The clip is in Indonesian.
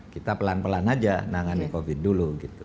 kita pelan pelan aja nangani covid dulu gitu